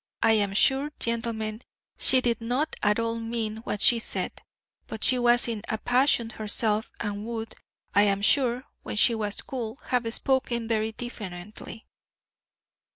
I am sure, gentlemen, she did not at all mean what she said, but she was in a passion herself and would, I am sure, when she was cool, have spoken very differently."